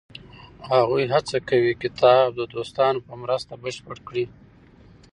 هغوی هڅه کوي کتاب د دوستانو په مرسته بشپړ کړي.